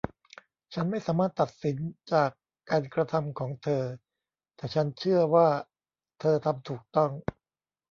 ฉันไม่สามารถตัดสินจากการกระทำของเธอ แต่ฉันเชื่อว่าเธอทำถูกต้อง